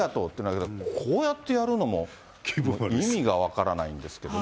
だけど、こうやってやるのも、意味が分からないんですけども。